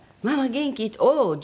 「元気？」